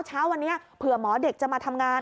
เช้าวันนี้เผื่อหมอเด็กจะมาทำงาน